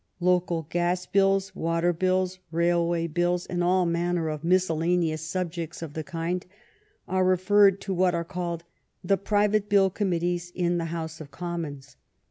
Local gas bills, water bills, railway bills, and all manner of miscellaneous subjects of the kind are referred to what are called the Private Bill Committees in the House of Commons.